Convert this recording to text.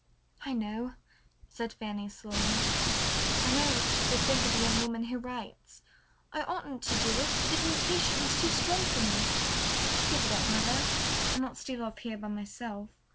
"I know," said Fanny slowly. "I know what people think of a young woman who writes. I oughtn't to do it, but the temptation was too strong for me. I'll give it up, mother, and not steal off here by myself.